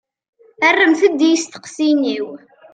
Rremt-d i yisteqsiyen-iw.